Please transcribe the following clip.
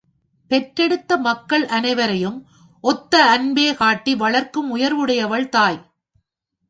பெற்றெடுத்த மக்கள் அனைவரையும் ஒத்த அன்பே காட்டி வளர்க்கும் உயர்வுடையவள் தாய்.